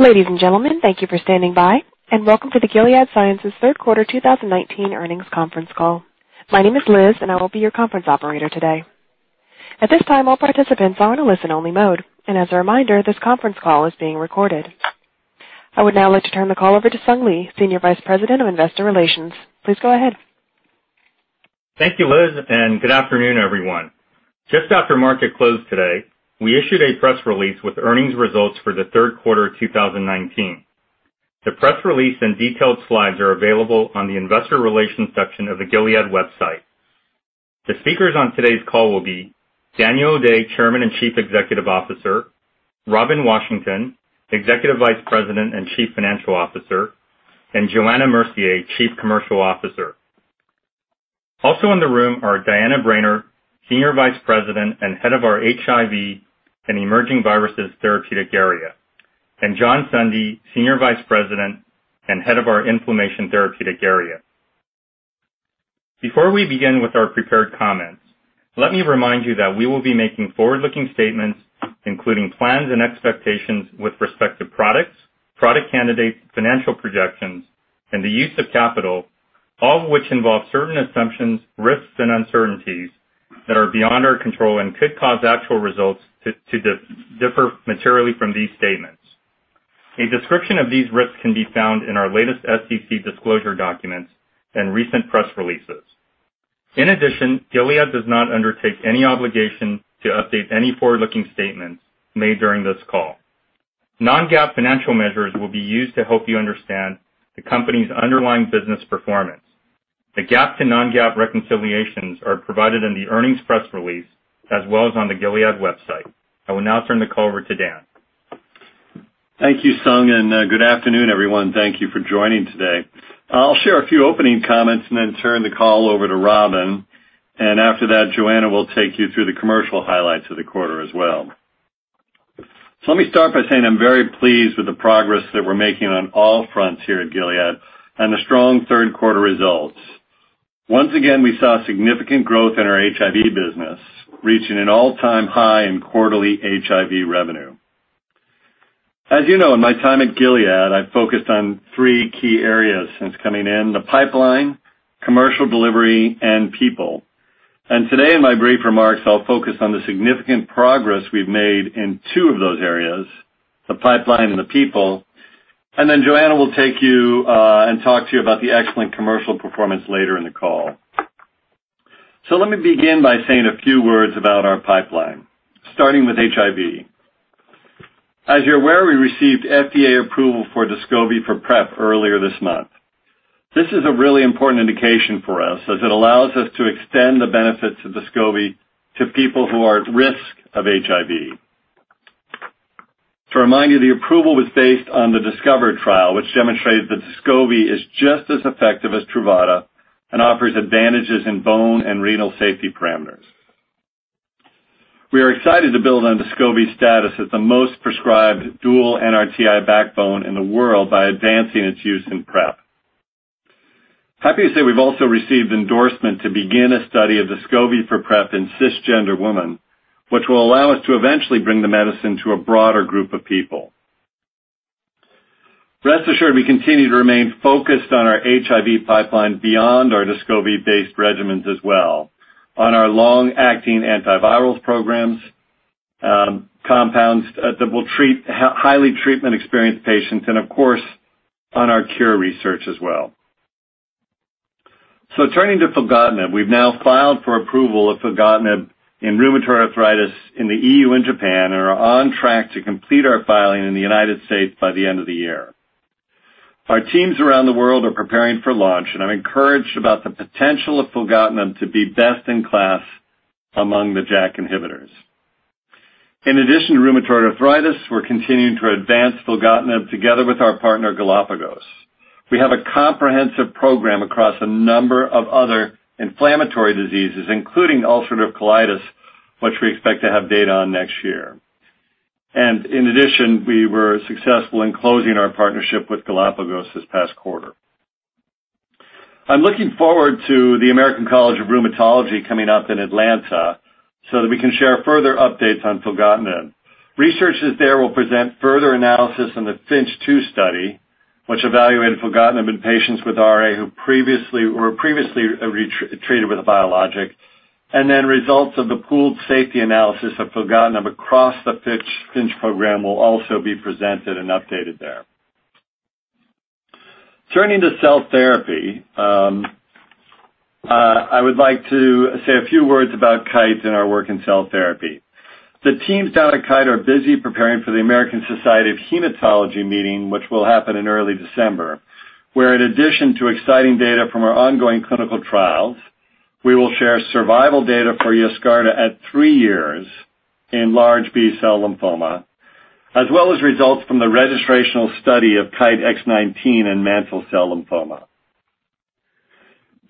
Ladies and gentlemen, thank you for standing by, and welcome to the Gilead Sciences third quarter 2019 earnings conference call. My name is Liz, and I will be your conference operator today. At this time, all participants are in a listen-only mode, and as a reminder, this conference call is being recorded. I would now like to turn the call over to Sung Lee, Senior Vice President of Investor Relations. Please go ahead. Thank you, Liz. Good afternoon, everyone. Just after market close today, we issued a press release with earnings results for the third quarter of 2019. The press release and detailed slides are available on the investor relations section of the Gilead website. The speakers on today's call will be Daniel O'Day, Chairman and Chief Executive Officer, Robin Washington, Executive Vice President and Chief Financial Officer, and Johanna Mercier, Chief Commercial Officer. Also in the room are Diana Brainard, Senior Vice President and Head of our HIV and Emerging Viruses Therapeutic Area, and John Sundy, Senior Vice President and Head of our Inflammation Therapeutic Area. Before we begin with our prepared comments, let me remind you that we will be making forward-looking statements, including plans and expectations with respect to products, product candidates, financial projections, and the use of capital, all of which involve certain assumptions, risks, and uncertainties that are beyond our control and could cause actual results to differ materially from these statements. A description of these risks can be found in our latest SEC disclosure documents and recent press releases. Gilead does not undertake any obligation to update any forward-looking statements made during this call. Non-GAAP financial measures will be used to help you understand the company's underlying business performance. The GAAP to non-GAAP reconciliations are provided in the earnings press release as well as on the Gilead website. I will now turn the call over to Dan. Thank you, Sung, good afternoon, everyone. Thank you for joining today. I'll share a few opening comments and then turn the call over to Robin, and after that, Johanna will take you through the commercial highlights of the quarter as well. Let me start by saying I'm very pleased with the progress that we're making on all fronts here at Gilead and the strong third quarter results. Once again, we saw significant growth in our HIV business, reaching an all-time high in quarterly HIV revenue. As you know, in my time at Gilead, I've focused on three key areas since coming in, the pipeline, commercial delivery, and people. Today in my brief remarks, I'll focus on the significant progress we've made in two of those areas, the pipeline and the people. Johanna will take you and talk to you about the excellent commercial performance later in the call. Let me begin by saying a few words about our pipeline, starting with HIV. As you're aware, we received FDA approval for DESCOVY for PrEP earlier this month. This is a really important indication for us as it allows us to extend the benefits of DESCOVY to people who are at risk of HIV. To remind you, the approval was based on the DISCOVER trial, which demonstrated that DESCOVY is just as effective as TRUVADA and offers advantages in bone and renal safety parameters. We are excited to build on DESCOVY's status as the most prescribed dual NRTI backbone in the world by advancing its use in PrEP. Happy to say we've also received endorsement to begin a study of DESCOVY for PrEP in cisgender women, which will allow us to eventually bring the medicine to a broader group of people. Rest assured we continue to remain focused on our HIV pipeline beyond our DESCOVY-based regimens as well on our long-acting antivirals programs, compounds that will treat highly treatment-experienced patients and of course, on our cure research as well. Turning to filgotinib, we've now filed for approval of filgotinib in rheumatoid arthritis in the EU and Japan and are on track to complete our filing in the United States by the end of the year. Our teams around the world are preparing for launch. I'm encouraged about the potential of filgotinib to be best in class among the JAK inhibitors. In addition to rheumatoid arthritis, we're continuing to advance filgotinib together with our partner, Galapagos. We have a comprehensive program across a number of other inflammatory diseases, including ulcerative colitis, which we expect to have data on next year. In addition, we were successful in closing our partnership with Galapagos this past quarter. I'm looking forward to the American College of Rheumatology coming up in Atlanta so that we can share further updates on filgotinib. Researchers there will present further analysis on the FINCH 2 study, which evaluated filgotinib in patients with RA who were previously treated with a biologic, and then results of the pooled safety analysis of filgotinib across the FINCH program will also be presented and updated there. Turning to cell therapy, I would like to say a few words about Kite and our work in cell therapy. The teams down at Kite are busy preparing for the American Society of Hematology meeting, which will happen in early December, where in addition to exciting data from our ongoing clinical trials, we will share survival data for YESCARTA at three years in large B-cell lymphoma, as well as results from the registrational study of KTE-X19 and mantle cell lymphoma.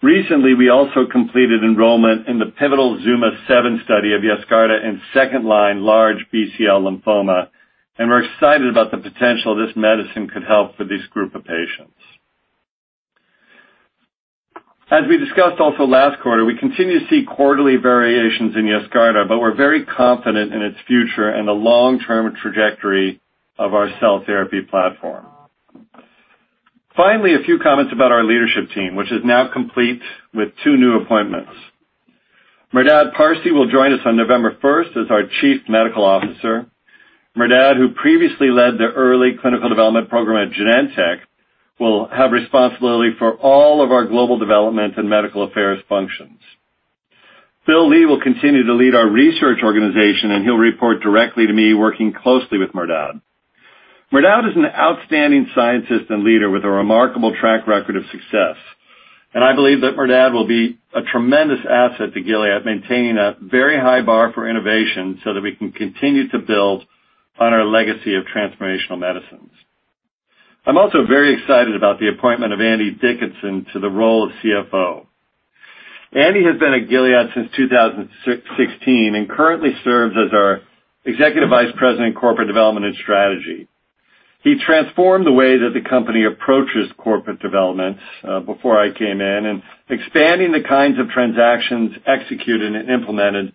Recently, we also completed enrollment in the pivotal ZUMA-7 study of YESCARTA in second-line large B-cell lymphoma, and we're excited about the potential this medicine could help for this group of patients. As we discussed also last quarter, we continue to see quarterly variations in YESCARTA, but we're very confident in its future and the long-term trajectory of our cell therapy platform. Finally, a few comments about our leadership team, which is now complete with two new appointments. Merdad Parsey will join us on November 1st as our Chief Medical Officer. Merdad, who previously led the early clinical development program at Genentech, will have responsibility for all of our global development and medical affairs functions. William Lee will continue to lead our research organization, and he'll report directly to me, working closely with Merdad. Merdad is an outstanding scientist and leader with a remarkable track record of success, and I believe that Merdad will be a tremendous asset to Gilead, maintaining a very high bar for innovation so that we can continue to build on our legacy of transformational medicines. I'm also very excited about the appointment of Andrew Dickinson to the role of CFO. Andy has been at Gilead since 2016 and currently serves as our Executive Vice President, Corporate Development and Strategy. He transformed the way that the company approaches corporate development before I came in, and expanding the kinds of transactions executed and implemented,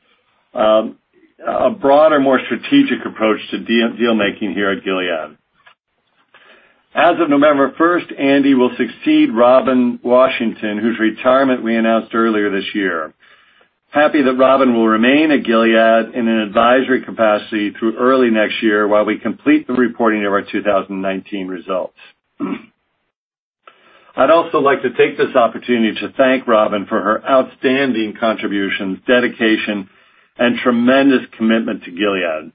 a broader, more strategic approach to deal-making here at Gilead. As of November 1st, Andy will succeed Robin Washington, whose retirement we announced earlier this year. Happy that Robin will remain at Gilead in an advisory capacity through early next year while we complete the reporting of our 2019 results. I'd also like to take this opportunity to thank Robin for her outstanding contributions, dedication, and tremendous commitment to Gilead.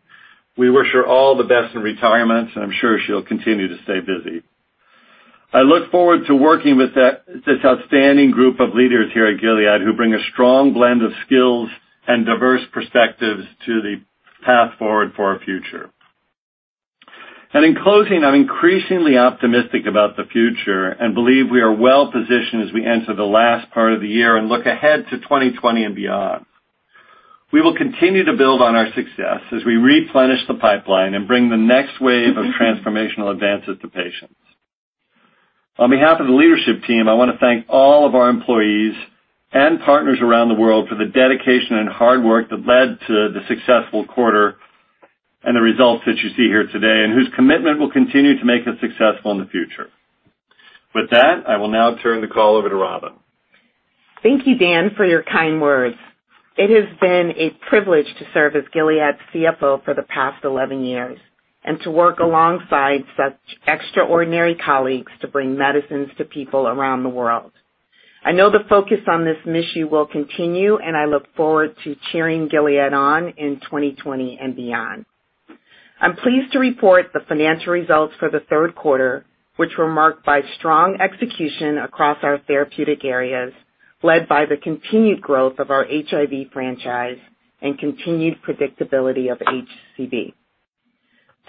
We wish her all the best in retirement, and I'm sure she'll continue to stay busy. I look forward to working with this outstanding group of leaders here at Gilead who bring a strong blend of skills and diverse perspectives to the path forward for our future. In closing, I'm increasingly optimistic about the future and believe we are well-positioned as we enter the last part of the year and look ahead to 2020 and beyond. We will continue to build on our success as we replenish the pipeline and bring the next wave of transformational advances to patients. On behalf of the leadership team, I want to thank all of our employees and partners around the world for the dedication and hard work that led to the successful quarter and the results that you see here today, and whose commitment will continue to make us successful in the future. With that, I will now turn the call over to Robin. Thank you, Dan, for your kind words. It has been a privilege to serve as Gilead's CFO for the past 11 years and to work alongside such extraordinary colleagues to bring medicines to people around the world. I know the focus on this mission will continue, and I look forward to cheering Gilead on in 2020 and beyond. I'm pleased to report the financial results for the third quarter, which were marked by strong execution across our therapeutic areas, led by the continued growth of our HIV franchise and continued predictability of HCV.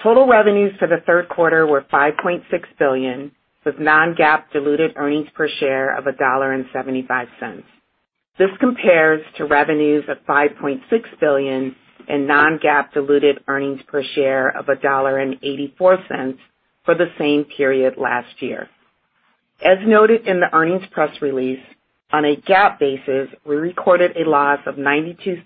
Total revenues for the third quarter were $5.6 billion, with non-GAAP diluted earnings per share of $1.75. This compares to revenues of $5.6 billion and non-GAAP diluted earnings per share of $1.84 for the same period last year. As noted in the earnings press release, on a GAAP basis, we recorded a loss of $0.92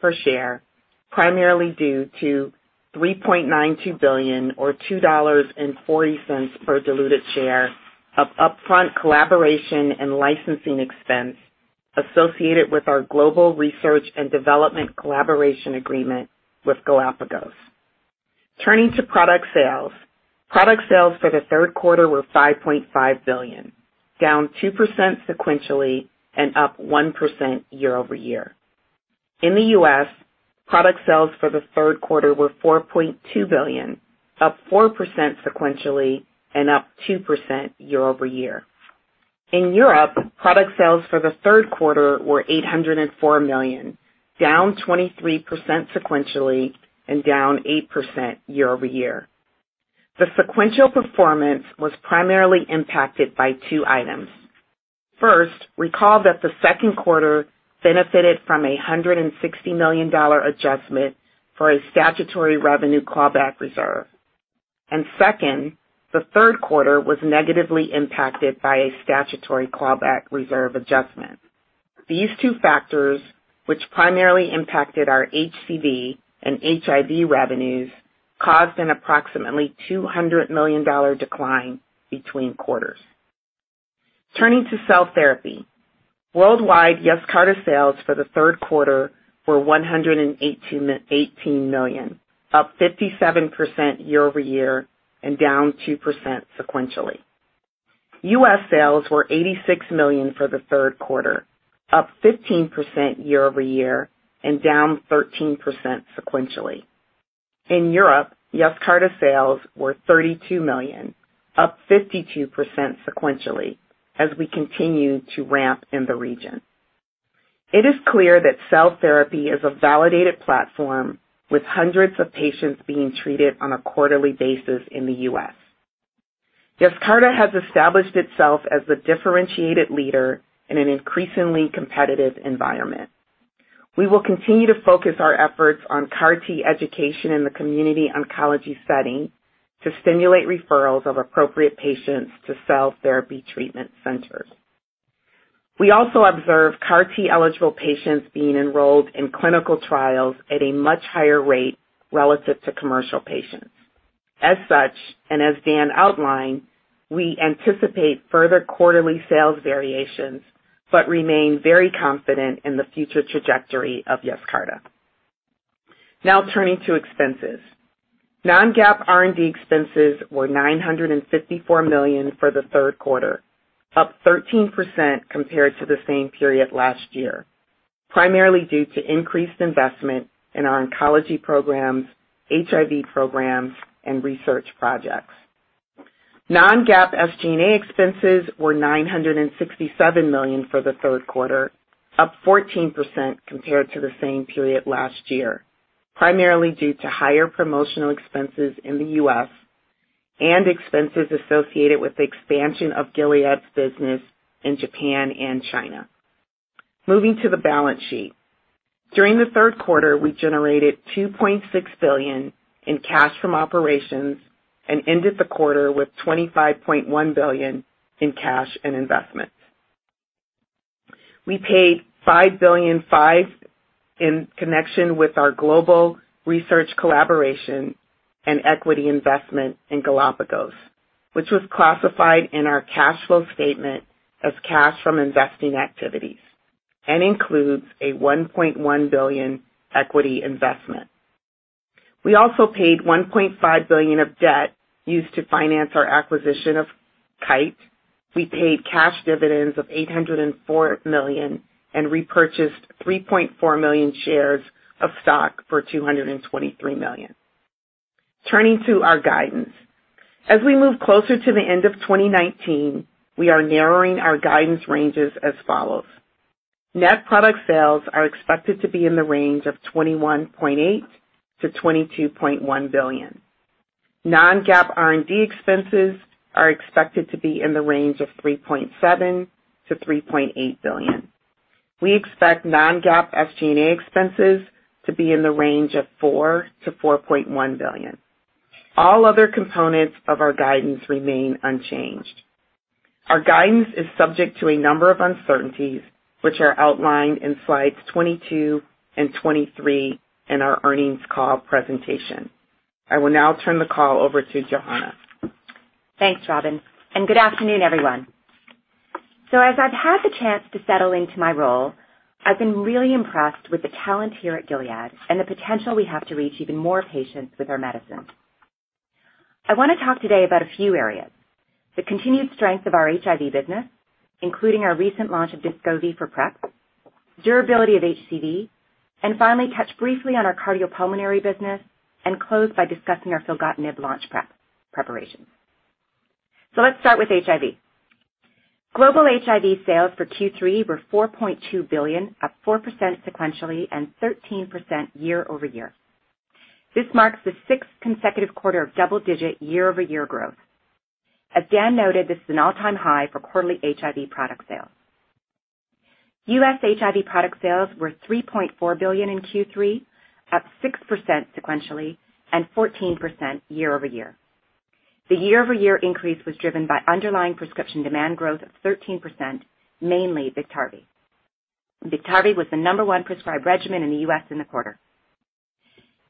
per share, primarily due to $3.92 billion, or $2.40 per diluted share of upfront collaboration and licensing expense associated with our global research and development collaboration agreement with Galapagos. Turning to product sales. Product sales for the third quarter were $5.5 billion, down 2% sequentially and up 1% year over year. In the U.S., product sales for the third quarter were $4.2 billion, up 4% sequentially and up 2% year over year. In Europe, product sales for the third quarter were $804 million, down 23% sequentially and down 8% year over year. The sequential performance was primarily impacted by two items. First, recall that the second quarter benefited from a $160 million adjustment for a statutory revenue callback reserve. Second, the third quarter was negatively impacted by a statutory callback reserve adjustment. These two factors, which primarily impacted our HCV and HIV revenues, caused an approximately $200 million decline between quarters. Turning to cell therapy. Worldwide YESCARTA sales for the third quarter were $118 million, up 57% year-over-year and down 2% sequentially. U.S. sales were $86 million for the third quarter, up 15% year-over-year and down 13% sequentially. In Europe, YESCARTA sales were $32 million, up 52% sequentially as we continue to ramp in the region. It is clear that cell therapy is a validated platform with hundreds of patients being treated on a quarterly basis in the U.S. YESCARTA has established itself as the differentiated leader in an increasingly competitive environment. We will continue to focus our efforts on CAR T education in the community oncology setting to stimulate referrals of appropriate patients to cell therapy treatment centers. We also observe CAR T-eligible patients being enrolled in clinical trials at a much higher rate relative to commercial patients. As such, and as Dan outlined, we anticipate further quarterly sales variations, but remain very confident in the future trajectory of YESCARTA. Now turning to expenses. Non-GAAP R&D expenses were $954 million for the third quarter, up 13% compared to the same period last year, primarily due to increased investment in our oncology programs, HIV programs, and research projects. Non-GAAP SG&A expenses were $967 million for the third quarter, up 14% compared to the same period last year, primarily due to higher promotional expenses in the U.S. and expenses associated with the expansion of Gilead's business in Japan and China. Moving to the balance sheet. During the third quarter, we generated $2.6 billion in cash from operations and ended the quarter with $25.1 billion in cash and investments. We paid $5 billion five in connection with our global research collaboration and equity investment in Galapagos, which was classified in our cash flow statement as cash from investing activities and includes a $1.1 billion equity investment. We also paid $1.5 billion of debt used to finance our acquisition of Kite. We paid cash dividends of $804 million and repurchased 3.4 million shares of stock for $223 million. Turning to our guidance. As we move closer to the end of 2019, we are narrowing our guidance ranges as follows. Net product sales are expected to be in the range of $21.8 billion-$22.1 billion. Non-GAAP R&D expenses are expected to be in the range of $3.7 billion-$3.8 billion. We expect non-GAAP SG&A expenses to be in the range of $4 billion-$4.1 billion. All other components of our guidance remain unchanged. Our guidance is subject to a number of uncertainties, which are outlined in slides 22 and 23 in our earnings call presentation. I will now turn the call over to Johanna. Thanks, Robin. Good afternoon, everyone. As I've had the chance to settle into my role, I've been really impressed with the talent here at Gilead and the potential we have to reach even more patients with our medicines. I want to talk today about a few areas. The continued strength of our HIV business, including our recent launch of Descovy for PrEP, durability of HCV, and finally touch briefly on our cardiopulmonary business and close by discussing our filgotinib launch preparation. Let's start with HIV. Global HIV sales for Q3 were $4.2 billion, up 4% sequentially and 13% year-over-year. This marks the sixth consecutive quarter of double-digit year-over-year growth. As Dan noted, this is an all-time high for quarterly HIV product sales. U.S. HIV product sales were $3.4 billion in Q3, up 6% sequentially and 14% year-over-year. The year-over-year increase was driven by underlying prescription demand growth of 13%, mainly BIKTARVY. BIKTARVY was the number one prescribed regimen in the U.S. in the quarter.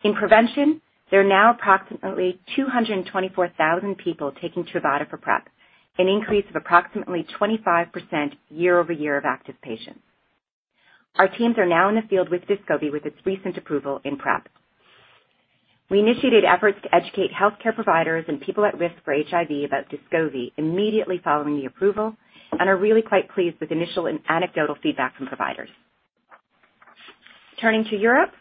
In prevention, there are now approximately 224,000 people taking TRUVADA for PrEP, an increase of approximately 25% year-over-year of active patients. Our teams are now in the field with DESCOVY with its recent approval in PrEP. We initiated efforts to educate healthcare providers and people at risk for HIV about DESCOVY immediately following the approval and are really quite pleased with initial and anecdotal feedback from providers. Turning to Europe,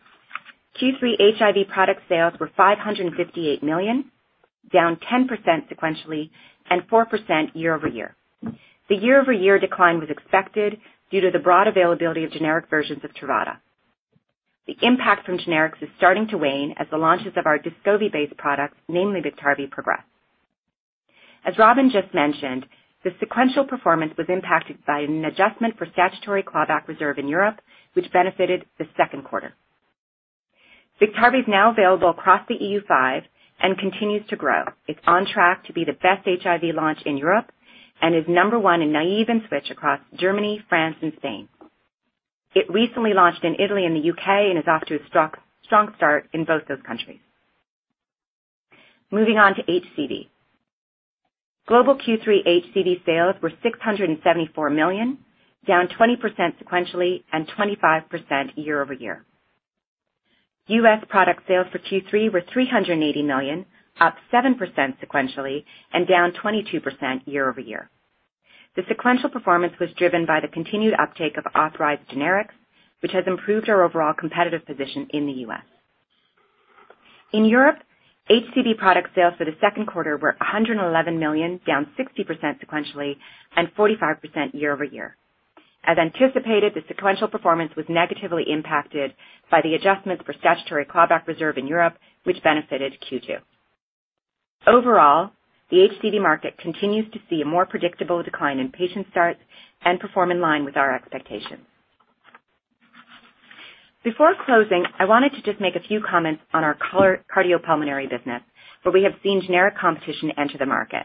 Q3 HIV product sales were $558 million, down 10% sequentially and 4% year-over-year. The year-over-year decline was expected due to the broad availability of generic versions of TRUVADA. The impact from generics is starting to wane as the launches of our DESCOVY-based products, namely BIKTARVY, progress. As Robin just mentioned, the sequential performance was impacted by an adjustment for statutory clawback reserve in Europe, which benefited the second quarter. BIKTARVY is now available across the EU5 and continues to grow. It's on track to be the best HIV launch in Europe and is number one in naive and switch across Germany, France, and Spain. It recently launched in Italy and the U.K. and is off to a strong start in both those countries. Moving on to HCV. Global Q3 HCV sales were $674 million, down 20% sequentially and 25% year-over-year. U.S. product sales for Q3 were $380 million, up 7% sequentially and down 22% year-over-year. The sequential performance was driven by the continued uptake of authorized generics, which has improved our overall competitive position in the U.S. In Europe, HCV product sales for the second quarter were $111 million, down 60% sequentially and 45% year-over-year. As anticipated, the sequential performance was negatively impacted by the adjustments for statutory clawback reserve in Europe, which benefited Q2. Overall, the HCV market continues to see a more predictable decline in patient starts and perform in line with our expectations. Before closing, I wanted to just make a few comments on our cardiopulmonary business, where we have seen generic competition enter the market.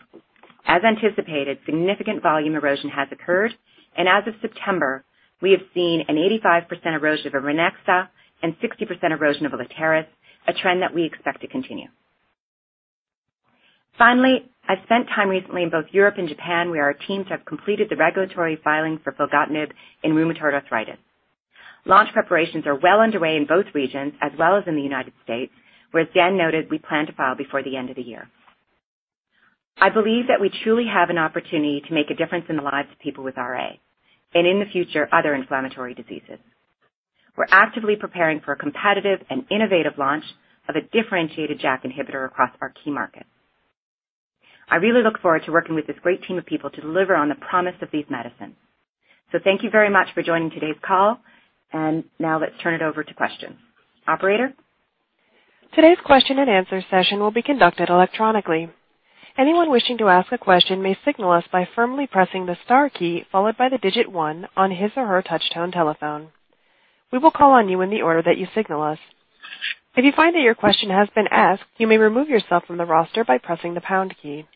As anticipated, significant volume erosion has occurred, and as of September, we have seen an 85% erosion of Ranexa and 60% erosion of Letairis, a trend that we expect to continue. Finally, I've spent time recently in both Europe and Japan, where our teams have completed the regulatory filings for filgotinib in rheumatoid arthritis. Launch preparations are well underway in both regions as well as in the United States, where Dan noted we plan to file before the end of the year. I believe that we truly have an opportunity to make a difference in the lives of people with RA and, in the future, other inflammatory diseases. We're actively preparing for a competitive and innovative launch of a differentiated JAK inhibitor across our key markets. I really look forward to working with this great team of people to deliver on the promise of these medicines. Thank you very much for joining today's call. Now let's turn it over to questions. Operator? Today's question and answer session will be conducted electronically. Anyone wishing to ask a question may signal us by firmly pressing the star key followed by the digit 1 on his or her touch-tone telephone. We will call on you in the order that you signal us. If you find that your question has been asked, you may remove yourself from the roster by pressing the pound key.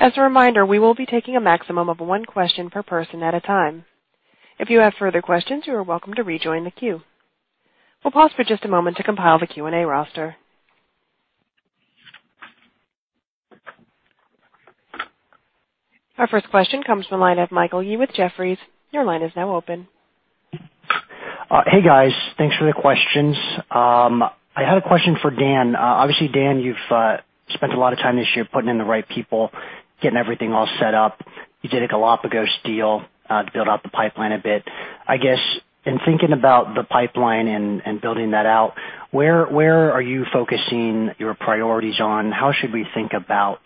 As a reminder, we will be taking a maximum of one question per person at a time. If you have further questions, you are welcome to rejoin the queue. We'll pause for just a moment to compile the Q&A roster. Our first question comes from the line of Michael Yee with Jefferies. Your line is now open. Hey, guys. Thanks for the questions. I had a question for Dan. Obviously, Dan, you've spent a lot of time this year putting in the right people, getting everything all set up. You did a Galapagos deal to build out the pipeline a bit. I guess, in thinking about the pipeline and building that out, where are you focusing your priorities on? How should we think about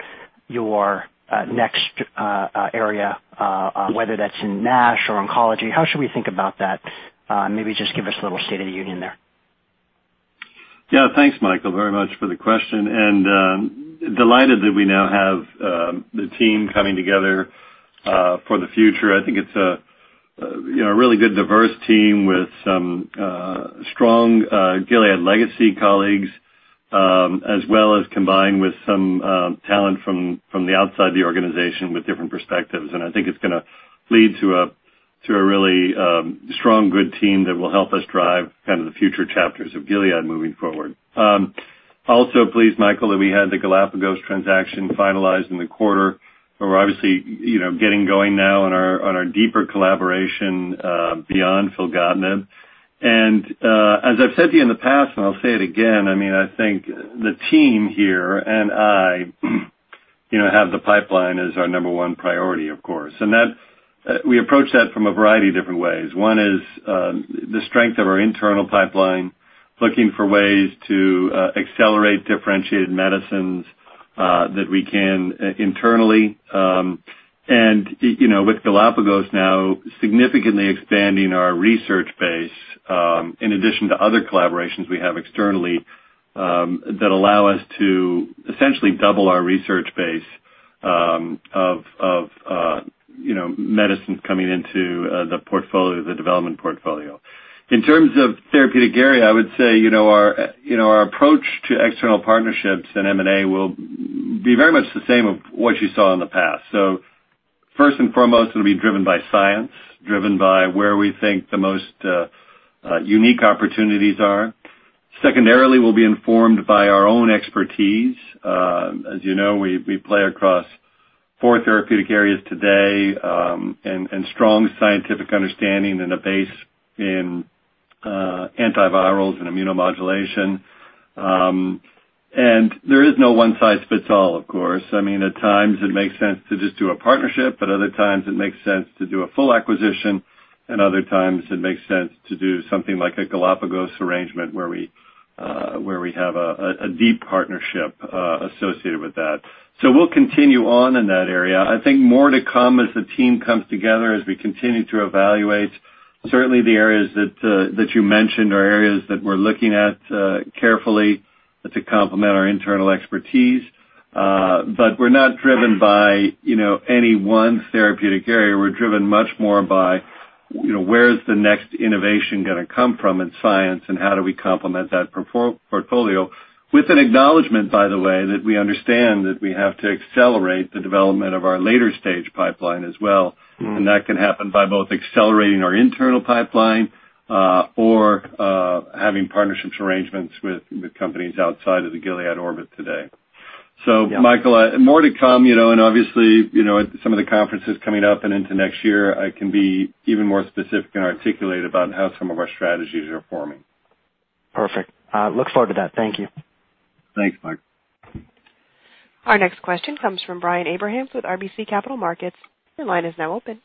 your next area, whether that's in NASH or oncology? How should we think about that? Maybe just give us a little state of the union there. Yeah. Thanks, Michael, very much for the question. Delighted that we now have the team coming together for the future. I think it's a really good, diverse team with some strong Gilead legacy colleagues as well as combined with some talent from the outside the organization with different perspectives. I think it's going to lead to a really strong, good team that will help us drive the future chapters of Gilead moving forward. Also pleased, Michael, that we had the Galapagos transaction finalized in the quarter. We're obviously getting going now on our deeper collaboration beyond filgotinib. As I've said to you in the past, and I'll say it again, I think the team here and I have the pipeline as our number one priority, of course. We approach that from a variety of different ways. One is the strength of our internal pipeline, looking for ways to accelerate differentiated medicines that we can internally. With Galapagos now significantly expanding our research base in addition to other collaborations we have externally that allow us to essentially double our research base of medicines coming into the development portfolio. In terms of therapeutic area, I would say our approach to external partnerships and M&A will be very much the same of what you saw in the past. First and foremost, it'll be driven by science, driven by where we think the most unique opportunities are. Secondarily, we'll be informed by our own expertise. As you know, we play across four therapeutic areas today and strong scientific understanding and a base in antivirals and immunomodulation. There is no one size fits all, of course. At times it makes sense to just do a partnership, but other times it makes sense to do a full acquisition, and other times it makes sense to do something like a Galapagos arrangement where we have a deep partnership associated with that. We'll continue on in that area. I think more to come as the team comes together as we continue to evaluate. Certainly, the areas that you mentioned are areas that we're looking at carefully to complement our internal expertise. We're not driven by any one therapeutic area. We're driven much more by where is the next innovation going to come from in science and how do we complement that portfolio with an acknowledgement, by the way, that we understand that we have to accelerate the development of our later stage pipeline as well. That can happen by both accelerating our internal pipeline or having partnerships arrangements with companies outside of the Gilead orbit today. Yeah. Michael, more to come and obviously some of the conferences coming up and into next year, I can be even more specific and articulate about how some of our strategies are forming. Perfect. Look forward to that. Thank you. Thanks, Michael. Our next question comes from Brian Abrahams with RBC Capital Markets. Your line is now open.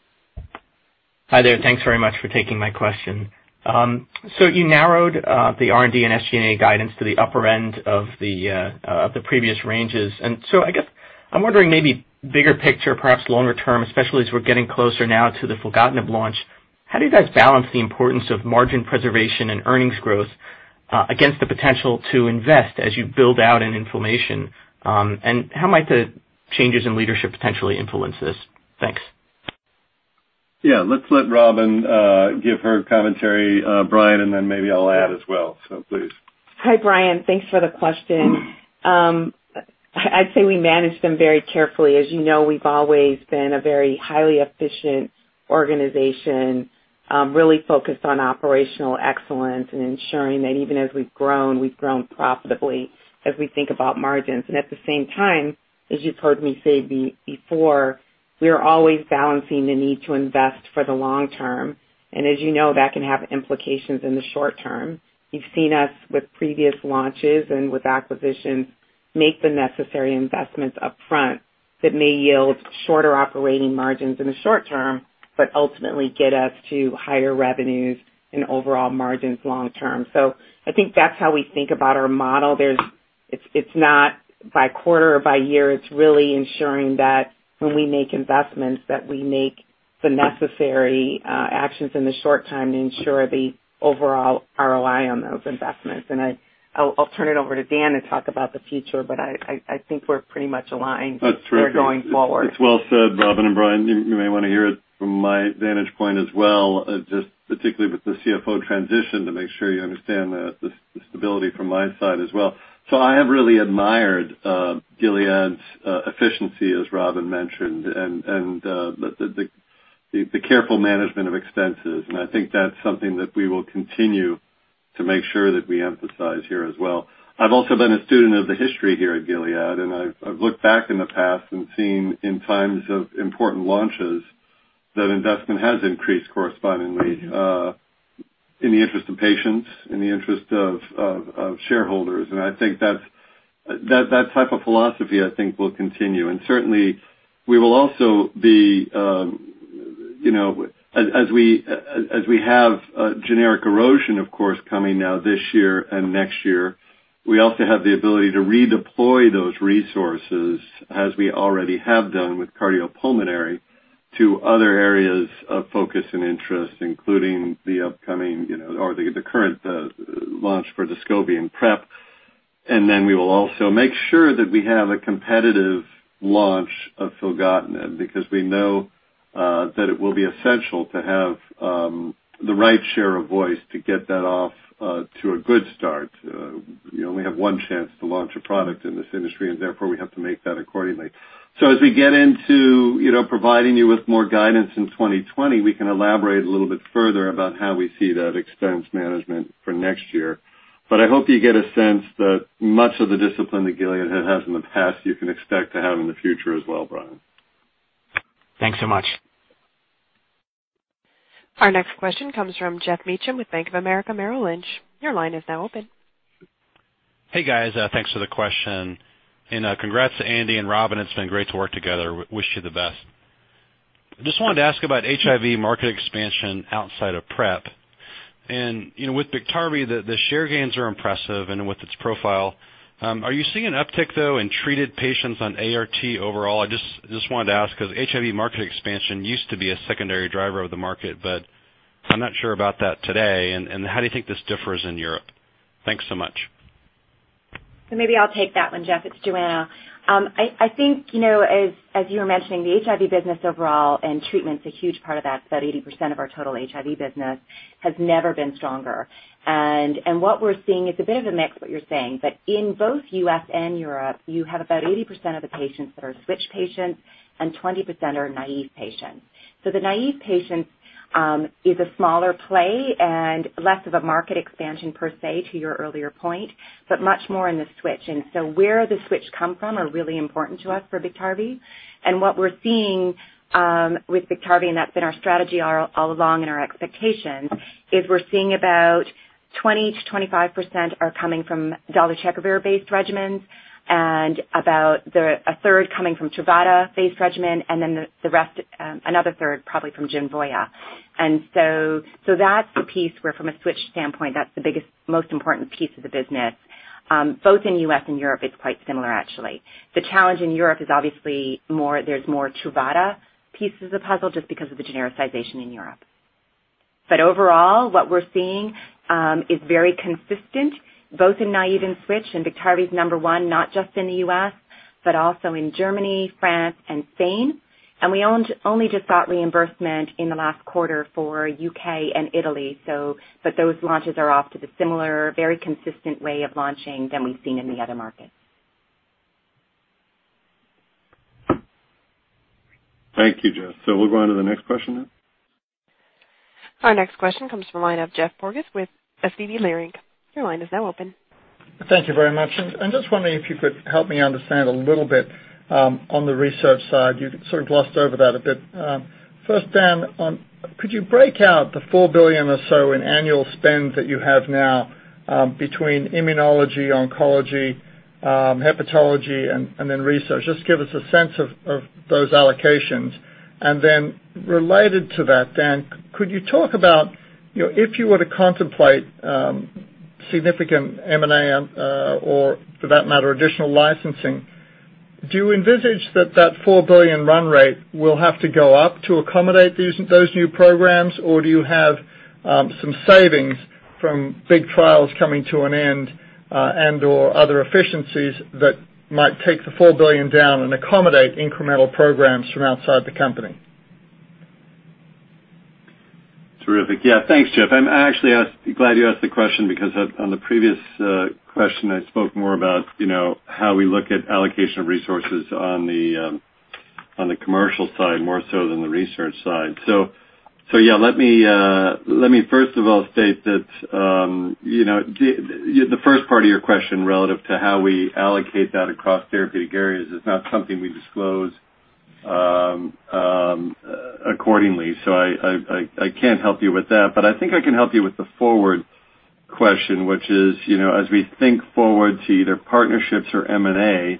Hi there. Thanks very much for taking my question. You narrowed the R&D and SG&A guidance to the upper end of the previous ranges. I guess. I'm wondering, maybe bigger picture, perhaps longer term, especially as we're getting closer now to the filgotinib launch, how do you guys balance the importance of margin preservation and earnings growth against the potential to invest as you build out in inflammation? How might the changes in leadership potentially influence this? Thanks. Yeah, let's let Robin give her commentary, Brian, and then maybe I'll add as well. please. Hi, Brian. Thanks for the question. I'd say we manage them very carefully. As you know, we've always been a very highly efficient organization, really focused on operational excellence and ensuring that even as we've grown, we've grown profitably as we think about margins. At the same time, as you've heard me say before, we are always balancing the need to invest for the long term. As you know, that can have implications in the short term. You've seen us with previous launches and with acquisitions, make the necessary investments up front that may yield shorter operating margins in the short term, but ultimately get us to higher revenues and overall margins long term. I think that's how we think about our model. It's not by quarter or by year. It's really ensuring that when we make investments, that we make the necessary actions in the short term to ensure the overall ROI on those investments. I'll turn it over to Dan to talk about the future, but I think we're pretty much aligned there going forward. That's well said, Robin and Brian, you may want to hear it from my vantage point as well, just particularly with the CFO transition to make sure you understand the stability from my side as well. I have really admired Gilead's efficiency, as Robin mentioned, and the careful management of expenses. I think that's something that we will continue to make sure that we emphasize here as well. I've also been a student of the history here at Gilead, and I've looked back in the past and seen in times of important launches that investment has increased correspondingly in the interest of patients, in the interest of shareholders. I think that type of philosophy, I think will continue. Certainly we will also be, as we have generic erosion, of course, coming now this year and next year, we also have the ability to redeploy those resources, as we already have done with cardiopulmonary to other areas of focus and interest, including the upcoming or the current launch for Descovy and PrEP. Then we will also make sure that we have a competitive launch of filgotinib because we know that it will be essential to have the right share of voice to get that off to a good start. You only have one chance to launch a product in this industry, and therefore we have to make that accordingly. As we get into providing you with more guidance in 2020, we can elaborate a little bit further about how we see that expense management for next year. I hope you get a sense that much of the discipline that Gilead has had in the past, you can expect to have in the future as well, Brian. Thanks so much. Our next question comes from Geoffrey Meacham with Bank of America Merrill Lynch. Your line is now open. Hey, guys. Thanks for the question and congrats to Andy and Robin. It's been great to work together. Wish you the best. I just wanted to ask about HIV market expansion outside of PrEP and with BIKTARVY, the share gains are impressive and with its profile. Are you seeing an uptick, though, in treated patients on ART overall? I just wanted to ask because HIV market expansion used to be a secondary driver of the market, but I'm not sure about that today. How do you think this differs in Europe? Thanks so much. Maybe I'll take that one, Geoff. It's Johanna. I think, as you were mentioning, the HIV business overall and treatment's a huge part of that. It's about 80% of our total HIV business has never been stronger. What we're seeing is a bit of a mix of what you're saying. In both U.S. and Europe, you have about 80% of the patients that are switch patients and 20% are naive patients. The naive patients is a smaller play and less of a market expansion per se to your earlier point, but much more in the switch. Where the switch come from are really important to us for BIKTARVY. What we're seeing with BIKTARVY, and that's been our strategy all along and our expectation is we're seeing about 20%-25% are coming from dolutegravir-based regimens and about a third coming from TRUVADA-based regimen, and then another third probably from GENVOYA. That's the piece where from a switch standpoint, that's the biggest, most important piece of the business. Both in U.S. and Europe it's quite similar, actually. The challenge in Europe is obviously there's more TRUVADA pieces of puzzle just because of the genericization in Europe. Overall, what we're seeing is very consistent both in naive and switch and BIKTARVY is number one, not just in the U.S., but also in Germany, France and Spain. We only just got reimbursement in the last quarter for U.K. and Italy. Those launches are off to the similar, very consistent way of launching than we've seen in the other markets. Thank you, Jeff. We'll go on to the next question now. Our next question comes from the line of Geoffrey Porges with SVB Leerink. Your line is now open. Thank you very much. Just wondering if you could help me understand a little bit on the research side, you sort of glossed over that a bit. First, Dan, could you break out the $4 billion or so in annual spend that you have now between immunology, oncology, hepatology and then research? Just give us a sense of those allocations. Then related to that, Dan, could you talk about if you were to contemplate significant M&A or for that matter, additional licensing. Do you envisage that that $4 billion run rate will have to go up to accommodate those new programs? Or do you have some savings from big trials coming to an end and/or other efficiencies that might take the $4 billion down and accommodate incremental programs from outside the company? Terrific. Yeah, thanks, Jeff. I'm actually glad you asked the question because on the previous question, I spoke more about how we look at allocation of resources on the commercial side more so than the research side. Yeah, let me first of all state that the first part of your question relative to how we allocate that across therapeutic areas is not something we disclose accordingly. I can't help you with that, but I think I can help you with the forward question, which is, as we think forward to either partnerships or M&A,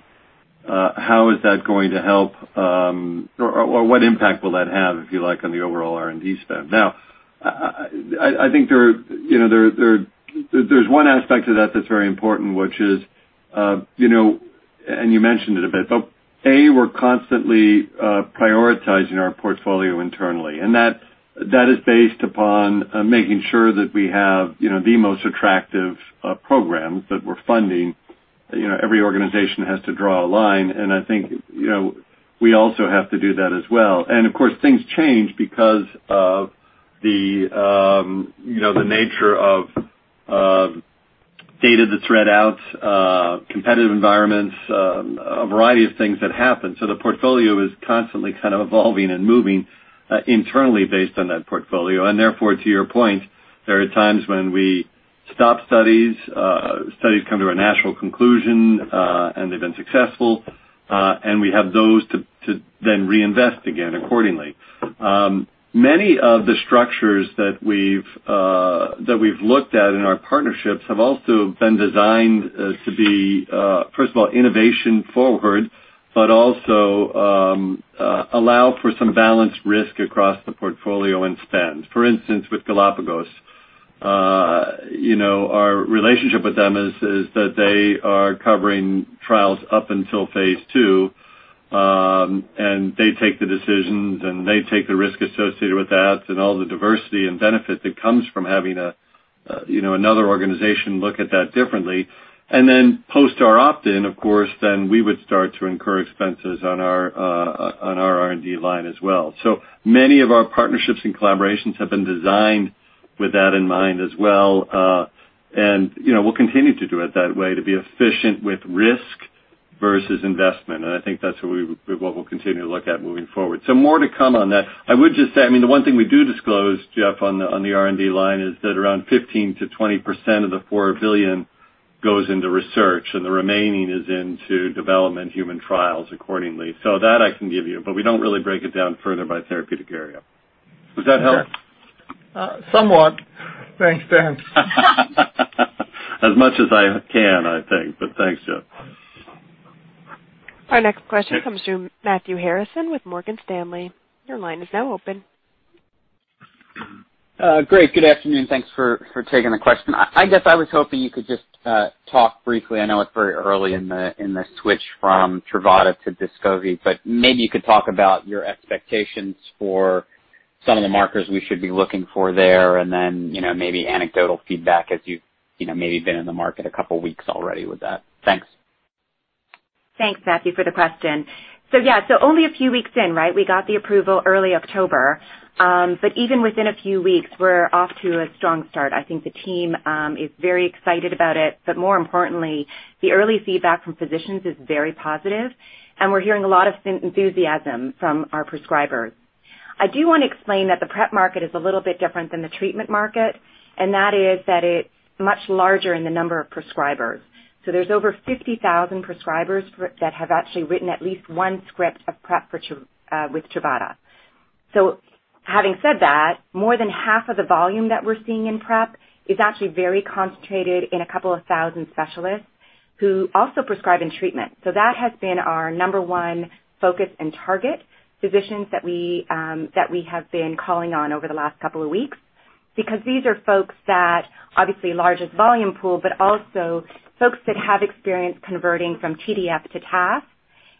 how is that going to help? Or what impact will that have, if you like, on the overall R&D spend? I think there's one aspect to that's very important, and you mentioned it a bit, but A, we're constantly prioritizing our portfolio internally, and that is based upon making sure that we have the most attractive programs that we're funding. Every organization has to draw a line, and I think we also have to do that as well. Of course, things change because of the nature of data that trend out, competitive environments, a variety of things that happen. The portfolio is constantly kind of evolving and moving internally based on that portfolio. Therefore, to your point, there are times when we stop studies come to a natural conclusion, and they've been successful. We have those to then reinvest again accordingly. Many of the structures that we've looked at in our partnerships have also been designed to be, first of all, innovation forward, but also allow for some balanced risk across the portfolio and spend. For instance, with Galapagos, our relationship with them is that they are covering trials up until phase II, and they take the decisions, and they take the risk associated with that and all the diversity and benefit that comes from having another organization look at that differently. Then post our opt-in, of course, then we would start to incur expenses on our R&D line as well. Many of our partnerships and collaborations have been designed with that in mind as well. We'll continue to do it that way to be efficient with risk versus investment. I think that's what we'll continue to look at moving forward. More to come on that. I would just say, the one thing we do disclose, Jeff, on the R&D line is that around 15%-20% of the $4 billion goes into research, and the remaining is into development, human trials accordingly. That I can give you. We don't really break it down further by therapeutic area. Does that help? Somewhat. Thanks, Dan. As much as I can, I think, but thanks, Jeff. Our next question comes from Matthew Harrison with Morgan Stanley. Your line is now open. Great. Good afternoon. Thanks for taking the question. I guess I was hoping you could just talk briefly. I know it's very early in the switch from TRUVADA to DESCOVY, but maybe you could talk about your expectations for some of the markers we should be looking for there, and then maybe anecdotal feedback as you've maybe been in the market a couple of weeks already with that. Thanks. Thanks, Matthew, for the question. Yeah, only a few weeks in, right? We got the approval early October. Even within a few weeks, we're off to a strong start. I think the team is very excited about it. More importantly, the early feedback from physicians is very positive, and we're hearing a lot of enthusiasm from our prescribers. I do want to explain that the PrEP market is a little bit different than the treatment market, and that is that it's much larger in the number of prescribers. There's over 50,000 prescribers that have actually written at least one script of PrEP with TRUVADA. Having said that, more than half of the volume that we're seeing in PrEP is actually very concentrated in a 2,000 specialists who also prescribe in treatment. That has been our number one focus and target, physicians that we have been calling on over the last couple of weeks because these are folks that obviously largest volume pool, but also folks that have experience converting from TDF to TAF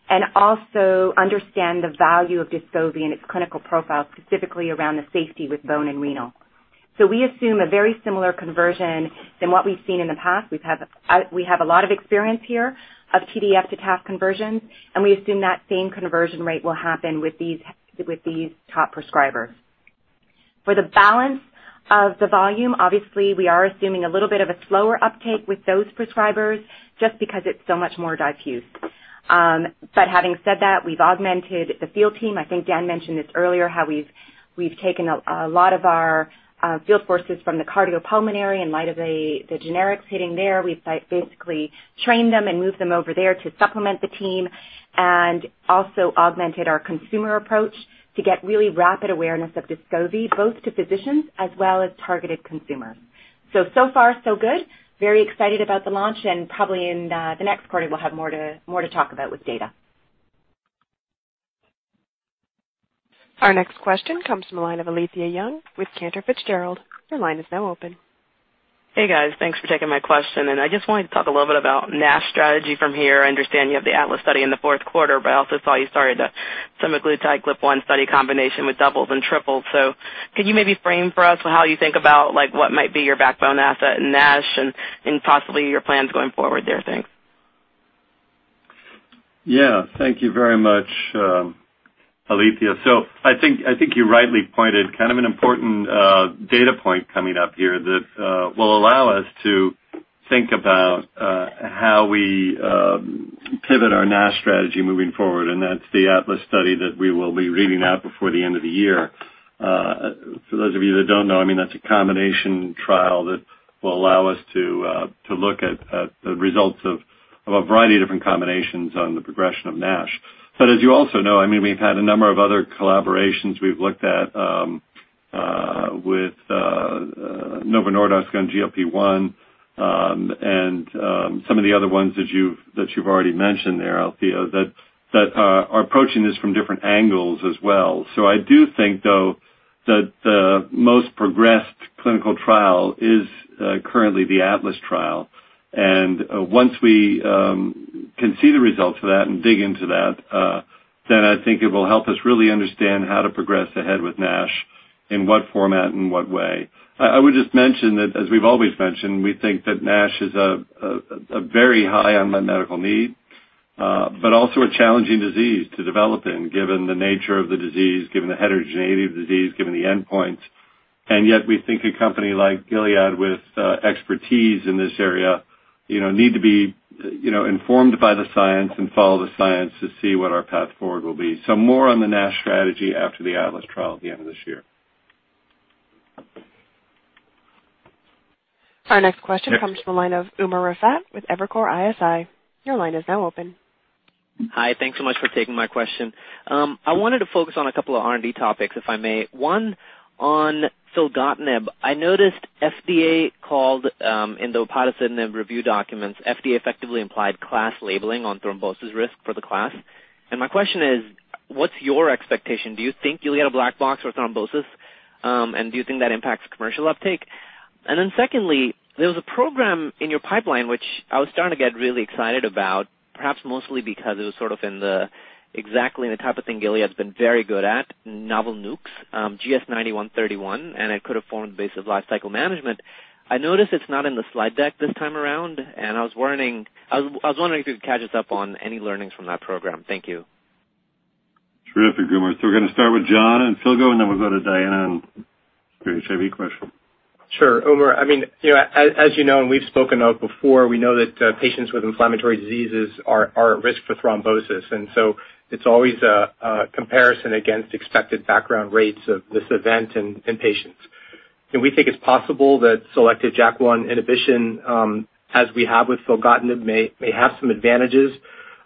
and also understand the value of DESCOVY and its clinical profile, specifically around the safety with bone and renal. We assume a very similar conversion than what we've seen in the past. We have a lot of experience here of TDF to TAF conversions, and we assume that same conversion rate will happen with these top prescribers. For the balance of the volume, obviously, we are assuming a little of a slower uptake with those prescribers just because it's so much more diffuse. Having said that, we've augmented the field team. I think Dan mentioned this earlier, how we've taken a lot of our field forces from the cardiopulmonary in light of the generics hitting there. We've basically trained them and moved them over there to supplement the team and also augmented our consumer approach to get really rapid awareness of DESCOVY, both to physicians as well as targeted consumers. So far so good. Very excited about the launch, and probably in the next quarter, we'll have more to talk about with data. Our next question comes from the line of Alethia Young with Cantor Fitzgerald. Your line is now open. Hey, guys. Thanks for taking my question. I just wanted to talk a little bit about NASH strategy from here. I understand you have the ATLAS study in the fourth quarter, but I also saw you started the semaglutide GLP-1 study combination with doubles and triples. Could you maybe frame for us how you think about what might be your backbone asset in NASH and possibly your plans going forward there? Thanks. Thank you very much, Alethia. I think you rightly pointed an important data point coming up here that will allow us to think about how we pivot our NASH strategy moving forward, and that's the ATLAS study that we will be reading out before the end of the year. For those of you that don't know, that's a combination trial that will allow us to look at the results of a variety of different combinations on the progression of NASH. As you also know, we've had a number of other collaborations we've looked at with Novo Nordisk on GLP-1, and some of the other ones that you've already mentioned there, Alethia, that are approaching this from different angles as well. I do think, though, that the most progressed clinical trial is currently the ATLAS trial. Once we can see the results of that and dig into that, then I think it will help us really understand how to progress ahead with NASH, in what format, in what way. I would just mention that as we've always mentioned, we think that NASH is a very high unmet medical need but also a challenging disease to develop in, given the nature of the disease, given the heterogeneity of the disease, given the endpoints. Yet, we think a company like Gilead with expertise in this area need to be informed by the science and follow the science to see what our path forward will be. More on the NASH strategy after the ATLAS trial at the end of this year. Our next question comes from the line of Umer Raffat with Evercore ISI. Your line is now open. Hi. Thanks so much for taking my question. I wanted to focus on a couple of R&D topics, if I may. One on filgotinib. I noticed FDA called in the upadacitinib review documents, FDA effectively implied class labeling on thrombosis risk for the class. My question is, what's your expectation? Do you think you'll get a black box for thrombosis, and do you think that impacts commercial uptake? Secondly, there was a program in your pipeline which I was starting to get really excited about, perhaps mostly because it was exactly the type of thing Gilead's been very good at, novel nukes, GS-9131, and it could have formed the basis of lifecycle management. I noticed it's not in the slide deck this time around, and I was wondering if you could catch us up on any learnings from that program. Thank you. Terrific, Umer. We're going to start with John on filgo, and then we'll go to Diana for your HIV question. Sure. Umer, as you know and we've spoken of before, we know that patients with inflammatory diseases are at risk for thrombosis, and so it's always a comparison against expected background rates of this event in patients. We think it's possible that selected JAK1 inhibition, as we have with filgotinib, may have some advantages.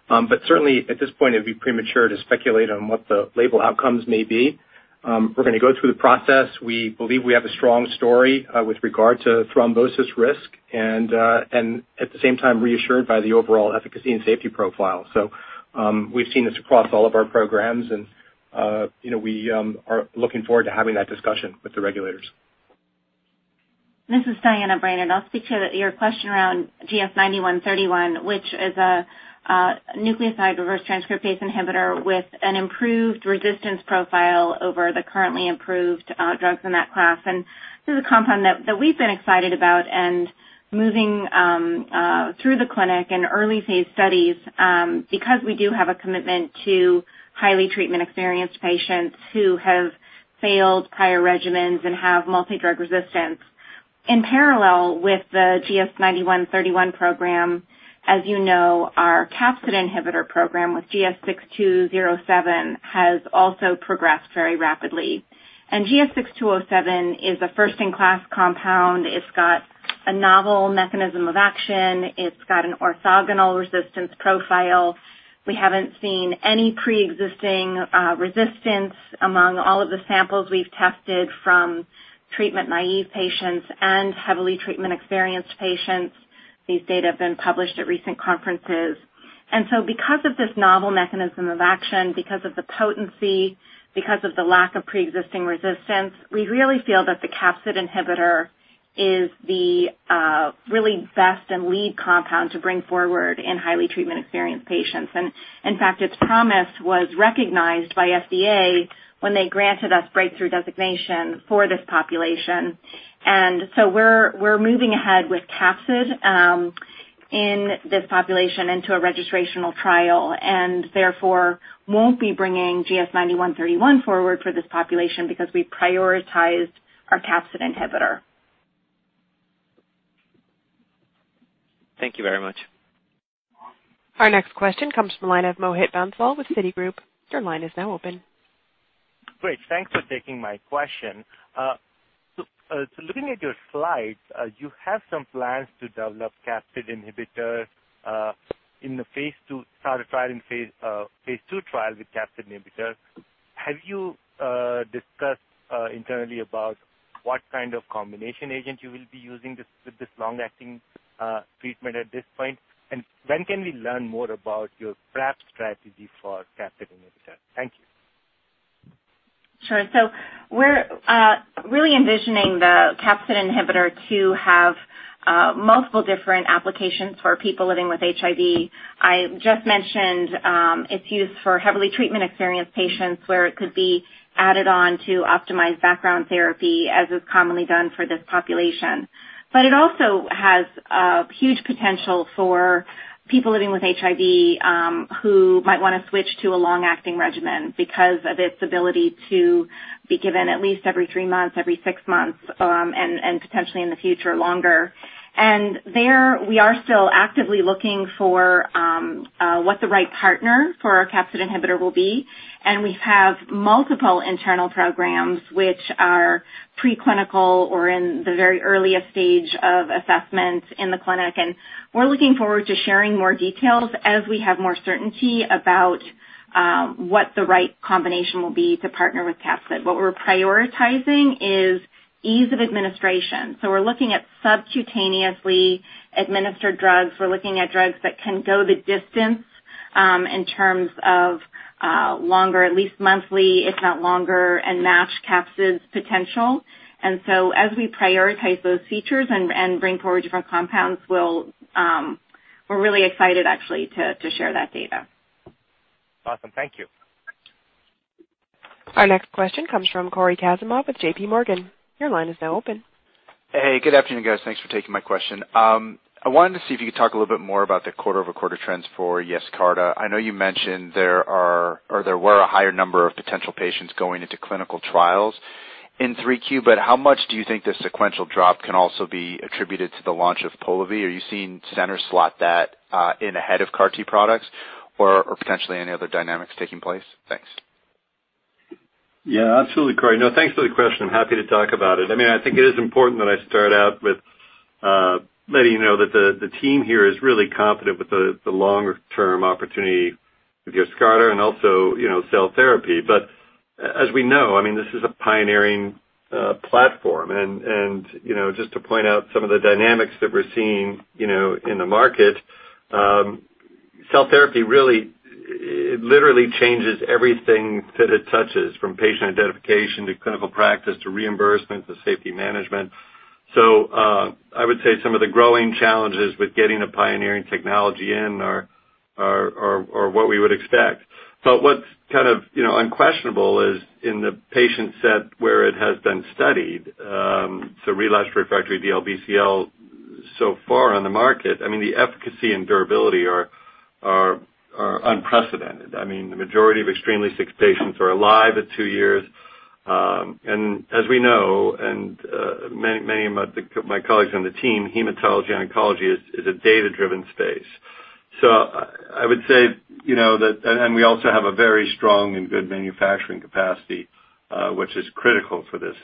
Certainly, at this point it would be premature to speculate on what the label outcomes may be. We're going to go through the process. We believe we have a strong story with regard to thrombosis risk and at the same time reassured by the overall efficacy and safety profile. We've seen this across all of our programs and we are looking forward to having that discussion with the regulators. This is Diana Brainard. I'll speak to your question around GS-9131, which is a nucleoside reverse transcriptase inhibitor with an improved resistance profile over the currently improved drugs in that class. This is a compound that we've been excited about and moving through the clinic and early phase studies because we do have a commitment to highly treatment-experienced patients who have failed prior regimens and have multi-drug resistance. In parallel with the GS-9131 program, as you know, our capsid inhibitor program with GS-6207 has also progressed very rapidly. GS-6207 is a first-in-class compound. It's got a novel mechanism of action. It's got an orthogonal resistance profile. We haven't seen any preexisting resistance among all of the samples we've tested from treatment-naive patients and heavily treatment-experienced patients. These data have been published at recent conferences. Because of this novel mechanism of action, because of the potency, because of the lack of preexisting resistance, we really feel that the capsid inhibitor is the really best and lead compound to bring forward in highly treatment-experienced patients. In fact, its promise was recognized by FDA when they granted us breakthrough designation for this population. We're moving ahead with capsid in this population into a registrational trial, and therefore won't be bringing GS-9131 forward for this population because we prioritized our capsid inhibitor. Thank you very much. Our next question comes from the line of Mohit Bansal with Citigroup. Your line is now open. Great. Thanks for taking my question. Looking at your slides, you have some plans to develop capsid inhibitor in the start of phase II trial with capsid inhibitor. Have you discussed internally about what kind of combination agent you will be using with this long-acting treatment at this point? When can we learn more about your perhaps strategy for capsid inhibitor? Thank you. Sure. We're really envisioning the capsid inhibitor to have multiple different applications for people living with HIV. I just mentioned it's used for heavily treatment-experienced patients, where it could be added on to optimize background therapy, as is commonly done for this population. It also has a huge potential for people living with HIV who might want to switch to a long-acting regimen because of its ability to be given at least every three months, every six months, and potentially in the future, longer. There, we are still actively looking for what the right partner for our capsid inhibitor will be. We have multiple internal programs which are preclinical or in the very earliest stage of assessment in the clinic. We're looking forward to sharing more details as we have more certainty about what the right combination will be to partner with capsid. What we're prioritizing is ease of administration. We're looking at subcutaneously administered drugs. We're looking at drugs that can go the distance in terms of longer, at least monthly, if not longer, and match capsid's potential. As we prioritize those features and bring forward different compounds, we're really excited actually to share that data. Awesome. Thank you. Our next question comes from Cory Kasimov with J.P. Morgan. Your line is now open. Hey, good afternoon, guys. Thanks for taking my question. I wanted to see if you could talk a little bit more about the quarter-over-quarter trends for YESCARTA. I know you mentioned there are, or there were a higher number of potential patients going into clinical trials in 3Q. How much do you think the sequential drop can also be attributed to the launch of Polivy? Are you seeing center slot that in ahead of CAR T products or potentially any other dynamics taking place? Thanks. Yeah, absolutely, Cory. Thanks for the question. I'm happy to talk about it. I think it is important that I start out with letting you know that the team here is really confident with the longer-term opportunity with YESCARTA and also cell therapy. As we know, this is a pioneering platform, and just to point out some of the dynamics that we're seeing in the market, cell therapy really literally changes everything that it touches, from patient identification to clinical practice, to reimbursement, to safety management. I would say some of the growing challenges with getting a pioneering technology in are what we would expect. What's unquestionable is in the patient set where it has been studied, relapsed/refractory DLBCL so far on the market, the efficacy and durability are unprecedented. The majority of extremely sick patients are alive at two years. As we know, and many of my colleagues on the team, hematology oncology is a data-driven space. I would say that we also have a very strong and good manufacturing capacity, which is critical for this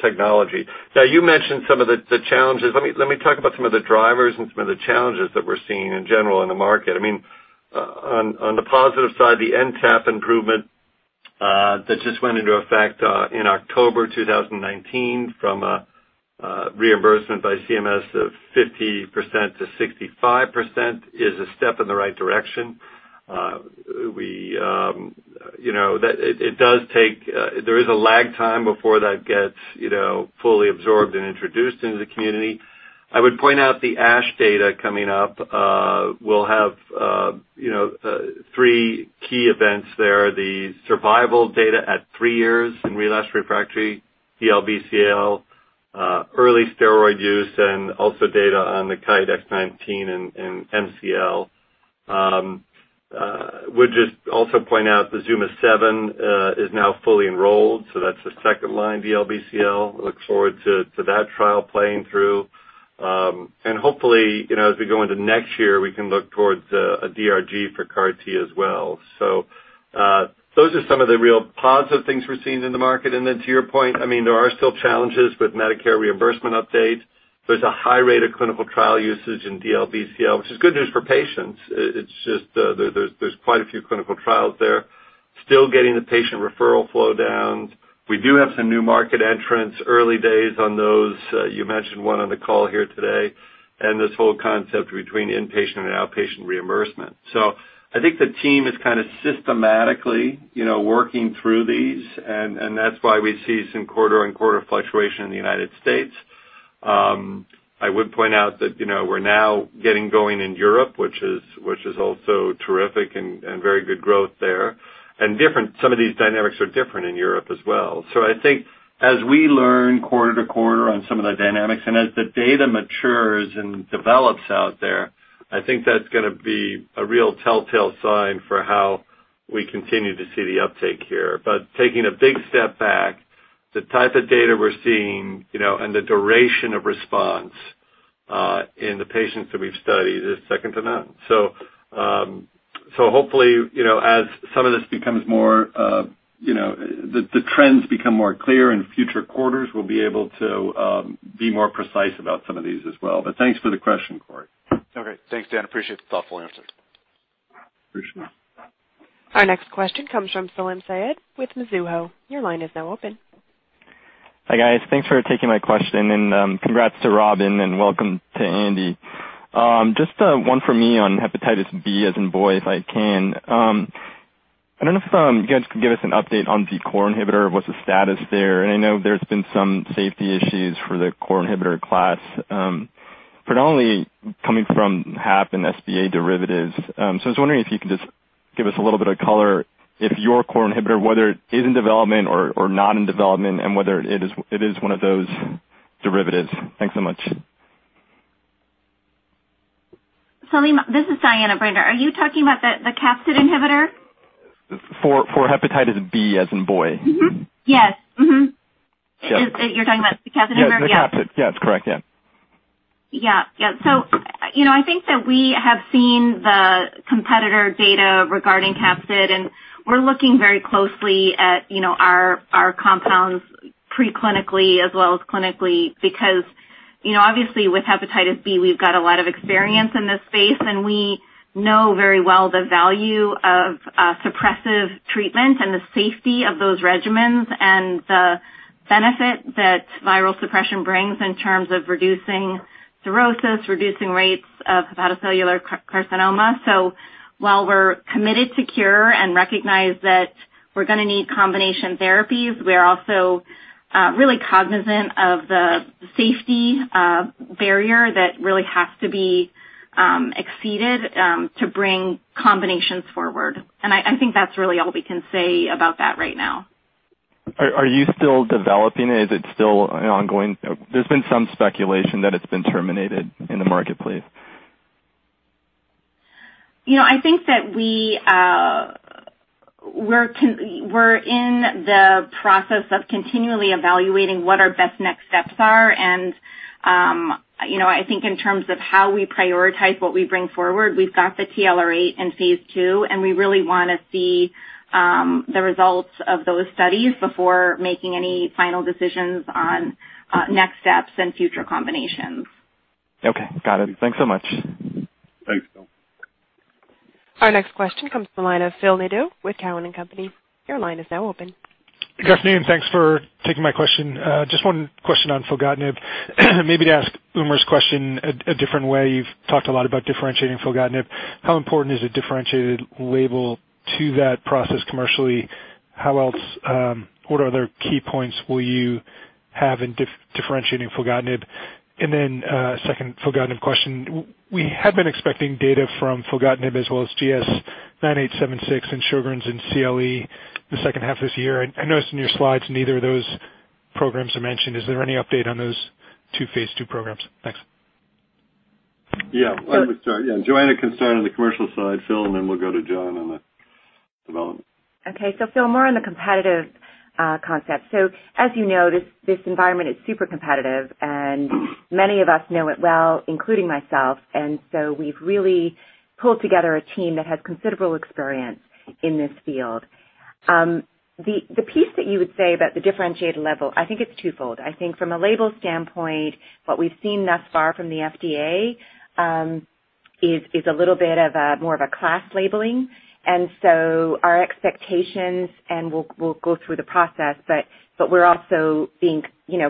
technology. You mentioned some of the challenges. Let me talk about some of the drivers and some of the challenges that we're seeing in general in the market. On the positive side, the NTAP improvement that just went into effect in October 2019 from a reimbursement by CMS of 50% to 65% is a step in the right direction. There is a lag time before that gets fully absorbed and introduced into the community. I would point out the ASH data coming up will have three key events there, the survival data at three years in relapsed/refractory DLBCL, early steroid use, and also data on the KTE-X19 in MCL. Would just also point out the ZUMA-7 is now fully enrolled. That's the second line DLBCL. Look forward to that trial playing through. Hopefully, as we go into next year, we can look towards a DRG for CAR T as well. Those are some of the real positive things we're seeing in the market. To your point, there are still challenges with Medicare reimbursement updates. There's a high rate of clinical trial usage in DLBCL, which is good news for patients. It's just there's quite a few clinical trials there. Still getting the patient referral flow downs. We do have some new market entrants, early days on those. You mentioned one on the call here today, and this whole concept between inpatient and outpatient reimbursement. I think the team is systematically working through these, and that's why we see some quarter-on-quarter fluctuation in the United States. I would point out that we're now getting going in Europe, which is also terrific and very good growth there. Some of these dynamics are different in Europe as well. I think as we learn quarter-to-quarter on some of the dynamics, and as the data matures and develops out there, I think that's going to be a real telltale sign for how we continue to see the uptake here. Taking a big step back, the type of data we're seeing and the duration of response in the patients that we've studied is second to none. Hopefully, as some of this, the trends become more clear in future quarters, we'll be able to be more precise about some of these as well. Thanks for the question, Cory. Okay. Thanks, Dan. Appreciate the thoughtful answers. Our next question comes from Salim Syed with Mizuho. Your line is now open. Hi, guys. Thanks for taking my question and congrats to Robin and welcome to Andy. Just one for me on hepatitis B as in boy, if I can. I don't know if you guys could give us an update on the core inhibitor. What's the status there? I know there's been some safety issues for the core inhibitor class predominantly coming from HAP and SBA derivatives. I was wondering if you could just give us a little bit of color if your core inhibitor, whether it is in development or not in development and whether it is one of those derivatives. Thanks so much. Salim, this is Diana Brainard. Are you talking about the capsid inhibitor? For hepatitis B as in boy. Mm-hmm. Yes. Mm-hmm. Yeah. You're talking about the capsid, or? Yeah. Yeah, the capsid. Yeah, that's correct. Yeah. Yeah. I think that we have seen the competitor data regarding capsid, and we're looking very closely at our compounds pre-clinically as well as clinically. Obviously with hepatitis B, we've got a lot of experience in this space, and we know very well the value of a suppressive treatment and the safety of those regimens and the benefit that viral suppression brings in terms of reducing cirrhosis, reducing rates of hepatocellular carcinoma. While we're committed to cure and recognize that we're going to need combination therapies, we're also really cognizant of the safety barrier that really has to be exceeded to bring combinations forward. I think that's really all we can say about that right now. Are you still developing it? Is it still ongoing? There's been some speculation that it's been terminated in the marketplace. I think that we're in the process of continually evaluating what our best next steps are and I think in terms of how we prioritize what we bring forward, we've got the TLR8 in phase II, and we really want to see the results of those studies before making any final decisions on next steps and future combinations. Okay. Got it. Thanks so much. Thanks, Salim. Our next question comes from the line of Phil Nadeau with Cowen and Company. Your line is now open. Good afternoon, thanks for taking my question. Just one question on filgotinib maybe to ask Umer's question a different way. You've talked a lot about differentiating filgotinib. How important is a differentiated label to that process commercially? What other key points will you have in differentiating filgotinib? A second filgotinib question. We have been expecting data from filgotinib as well as GS-9876 in Sjögren's in CLE the second half of this year. I noticed in your slides neither of those programs are mentioned. Is there any update on those two phase II programs? Thanks. Yeah. Johanna can start on the commercial side, Phil, then we'll go to John on the development. Okay. Phil, more on the competitive concept. As you know, this environment is super competitive, and many of us know it well, including myself. We've really pulled together a team that has considerable experience in this field. The piece that you would say about the differentiated level, I think it's twofold. I think from a label standpoint, what we've seen thus far from the FDA is a little bit of more of a class labeling. Our expectations, and we'll go through the process, but we're also being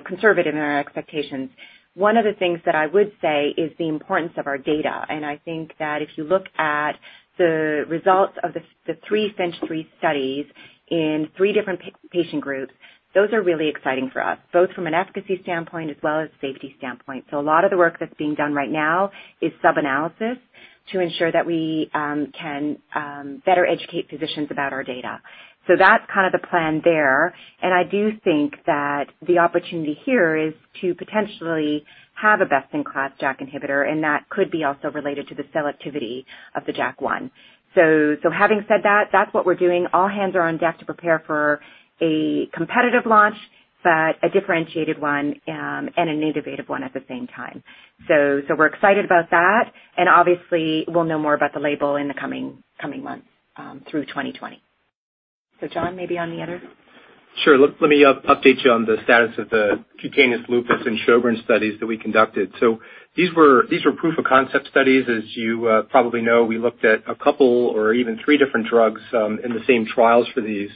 conservative in our expectations. One of the things that I would say is the importance of our data, and I think that if you look at the results of the three phase III studies in three different patient groups, those are really exciting for us, both from an efficacy standpoint as well as safety standpoint. A lot of the work that's being done right now is subanalysis to ensure that we can better educate physicians about our data. That's kind of the plan there, and I do think that the opportunity here is to potentially have a best-in-class JAK inhibitor, and that could be also related to the selectivity of the JAK1. Having said that's what we're doing. All hands are on deck to prepare for a competitive launch, but a differentiated one and an innovative one at the same time. We're excited about that, and obviously we'll know more about the label in the coming months through 2020. John, maybe on the other? Sure. Let me update you on the status of the cutaneous lupus and Sjogren's studies that we conducted. These were proof of concept studies. As you probably know, we looked at a couple or even three different drugs in the same trials for these.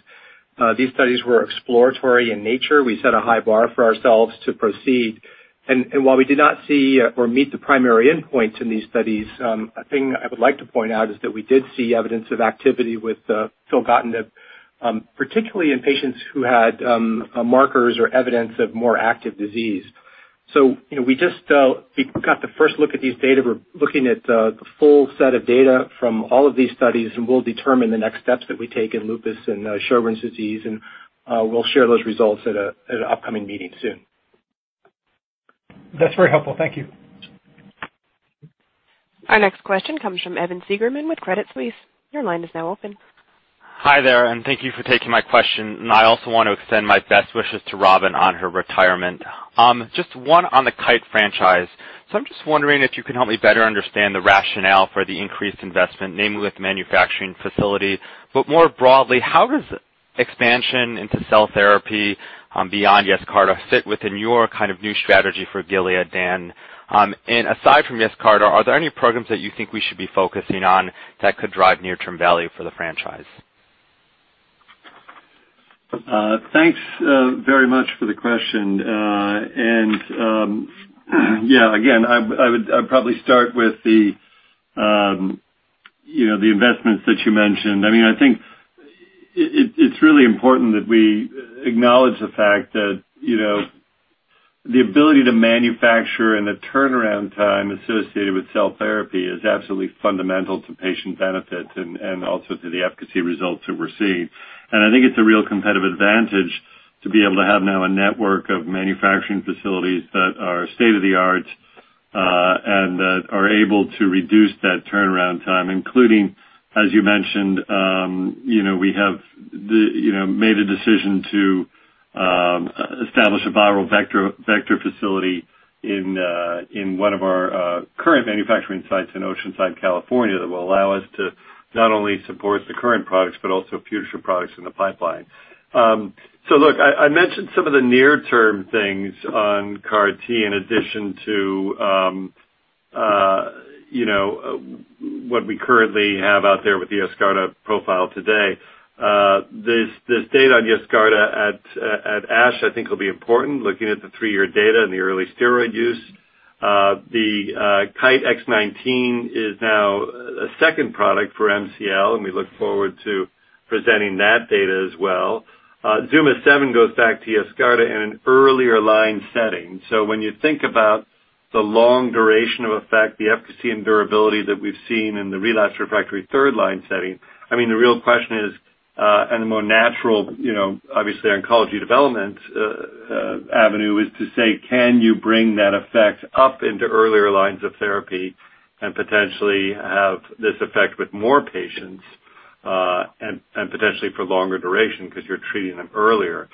These studies were exploratory in nature. We set a high bar for ourselves to proceed. While we did not see or meet the primary endpoints in these studies, a thing I would like to point out is that we did see evidence of activity with filgotinib, particularly in patients who had markers or evidence of more active disease. We got the first look at these data. We're looking at the full set of data from all of these studies, and we'll determine the next steps that we take in lupus and Sjogren's disease, and we'll share those results at an upcoming meeting soon. That's very helpful. Thank you. Our next question comes from Evan Seigerman with Credit Suisse. Your line is now open. Hi there, and thank you for taking my question. I also want to extend my best wishes to Robin on her retirement. Just one on the Kite franchise. I'm just wondering if you can help me better understand the rationale for the increased investment, namely with manufacturing facilities, but more broadly, how does expansion into cell therapy beyond YESCARTA fit within your new strategy for Gilead, Daniel? Aside from YESCARTA, are there any programs that you think we should be focusing on that could drive near-term value for the franchise? Thanks very much for the question. Yeah, again, I would probably start with the investments that you mentioned. I think it's really important that we acknowledge the fact that the ability to manufacture and the turnaround time associated with cell therapy is absolutely fundamental to patient benefit and also to the efficacy results that we're seeing. I think it's a real competitive advantage to be able to have now a network of manufacturing facilities that are state-of-the-art, and that are able to reduce that turnaround time, including, as you mentioned, we have made a decision to establish a viral vector facility in one of our current manufacturing sites in Oceanside, California, that will allow us to not only support the current products, but also future products in the pipeline. Look, I mentioned some of the near-term things on CAR T in addition to what we currently have out there with the YESCARTA profile today. This data on YESCARTA at ASH, I think will be important, looking at the 3-year data and the early steroid use. The KTE-X19 is now a second product for MCL, and we look forward to presenting that data as well. ZUMA-7 goes back to YESCARTA in an earlier line setting. When you think about the long duration of effect, the efficacy and durability that we've seen in the relapse refractory third line setting, the real question is, and the more natural, obviously oncology development avenue is to say, "Can you bring that effect up into earlier lines of therapy and potentially have this effect with more patients, and potentially for longer duration because you're treating them earlier?"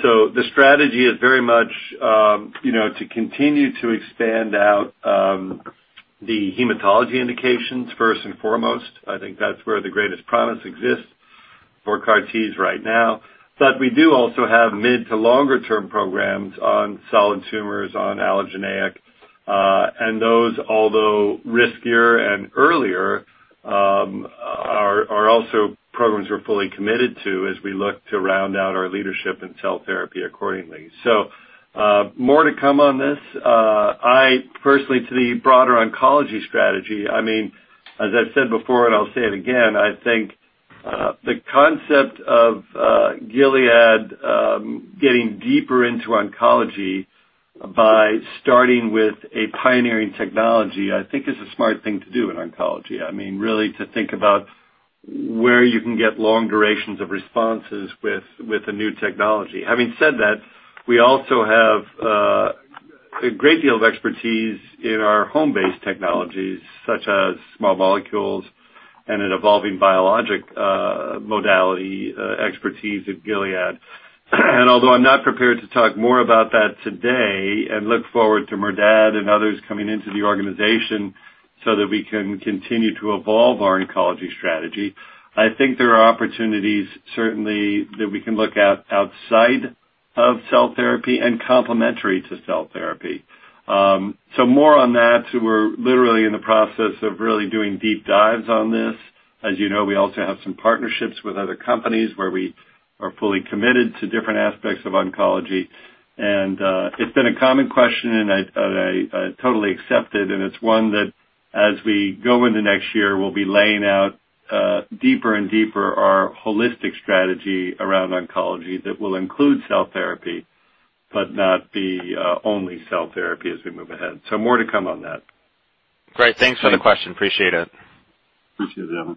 The strategy is very much to continue to expand out the hematology indications first and foremost. I think that's where the greatest promise exists for CAR Ts right now. We do also have mid to longer term programs on solid tumors, on allogeneic. Those, although riskier and earlier, are also programs we're fully committed to as we look to round out our leadership in cell therapy accordingly. More to come on this. I personally, to the broader oncology strategy as I've said before and I'll say it again, I think the concept of Gilead getting deeper into oncology by starting with a pioneering technology, I think is a smart thing to do in oncology. Really to think about where you can get long durations of responses with a new technology. Having said that, we also have a great deal of expertise in our home-based technologies, such as small molecules and an evolving biologic modality expertise at Gilead. Although I'm not prepared to talk more about that today and look forward to Merdad and others coming into the organization so that we can continue to evolve our oncology strategy, I think there are opportunities certainly that we can look at outside of cell therapy and complementary to cell therapy. More on that. We're literally in the process of really doing deep dives on this. As you know, we also have some partnerships with other companies where we are fully committed to different aspects of oncology. It's been a common question, and I totally accept it, and it's one that as we go into next year, we'll be laying out deeper and deeper our holistic strategy around oncology that will include cell therapy, but not be only cell therapy as we move ahead. More to come on that. Great. Thanks for the question. Appreciate it. Appreciate it, Evan.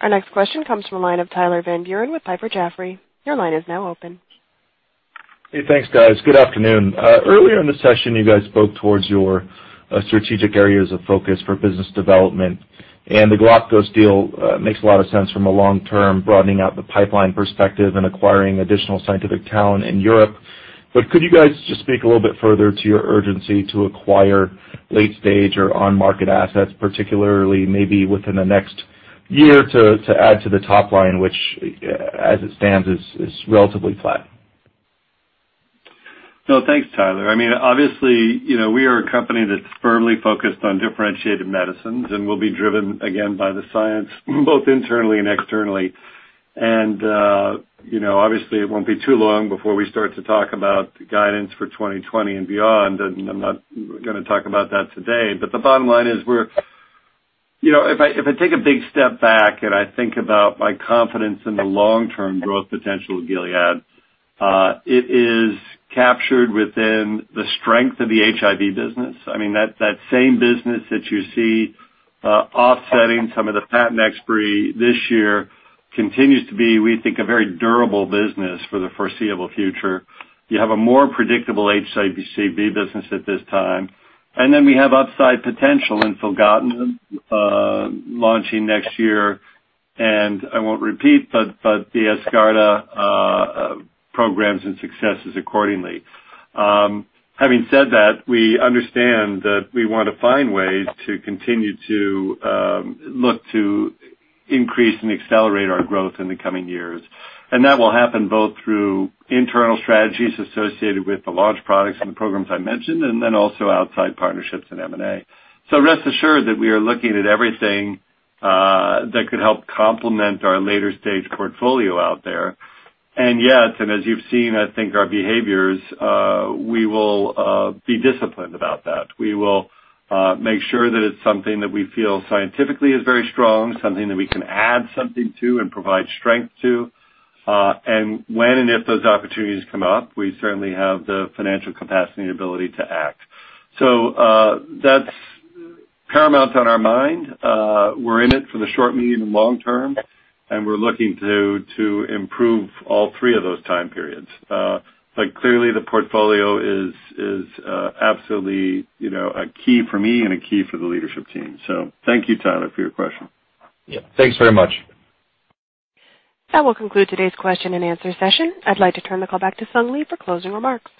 Our next question comes from a line of Tyler Van Buren with Piper Jaffray. Your line is now open. Hey, thanks, guys. Good afternoon. Earlier in the session, you guys spoke towards your strategic areas of focus for business development. The Galapagos deal makes a lot of sense from a long-term broadening out the pipeline perspective and acquiring additional scientific talent in Europe. Could you guys just speak a little bit further to your urgency to acquire late-stage or on-market assets, particularly maybe within the next year to add to the topline, which, as it stands, is relatively flat? Thanks, Tyler. We are a company that's firmly focused on differentiated medicines and will be driven, again, by the science, both internally and externally. It won't be too long before we start to talk about guidance for 2020 and beyond, and I'm not going to talk about that today. The bottom line is if I take a big step back and I think about my confidence in the long-term growth potential of Gilead, it is captured within the strength of the HIV business. That same business that you see offsetting some of the patent expiry this year continues to be, we think, a very durable business for the foreseeable future. You have a more predictable HCV business at this time, we have upside potential in filgotinib launching next year, I won't repeat, the YESCARTA programs and successes accordingly. Having said that, we understand that we want to find ways to continue to look to increase and accelerate our growth in the coming years. That will happen both through internal strategies associated with the launch products and the programs I mentioned, and then also outside partnerships and M&A. Rest assured that we are looking at everything that could help complement our later stage portfolio out there. Yet, and as you've seen, I think our behaviors, we will be disciplined about that. We will make sure that it's something that we feel scientifically is very strong, something that we can add something to and provide strength to. When and if those opportunities come up, we certainly have the financial capacity and ability to act. That's paramount on our mind. We're in it for the short, medium, and long term, and we're looking to improve all three of those time periods. Clearly the portfolio is absolutely a key for me and a key for the leadership team. Thank you, Tyler, for your question. Yeah, thanks very much. That will conclude today's question and answer session. I'd like to turn the call back to Sung Lee for closing remarks.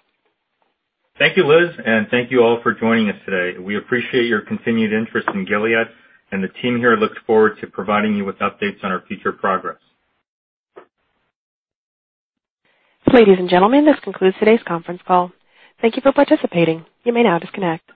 Thank you, Liz, and thank you all for joining us today. We appreciate your continued interest in Gilead, and the team here looks forward to providing you with updates on our future progress. Ladies and gentlemen, this concludes today's conference call. Thank you for participating. You may now disconnect.